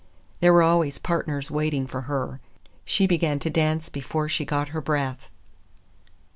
There were always partners waiting for her; she began to dance before she got her breath.